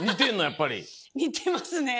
やっぱり。にてますね！